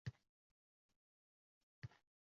U qilayotgan piar ishlarning tagi bo‘sh emas.